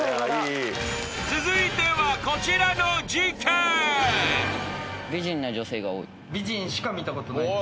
続いてはこちらの事ケーン！